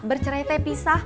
bercerai teh pisah